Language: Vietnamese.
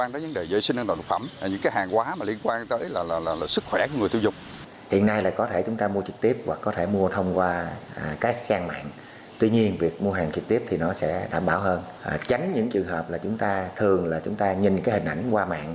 tránh những trường hợp là chúng ta thường là chúng ta nhìn cái hình ảnh qua mạng